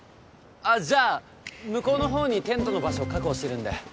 あじゃあ向こうのほうにテントの場所確保してるんで。